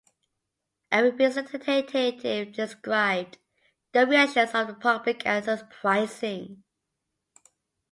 A representative described the reactions of the public as "surprising".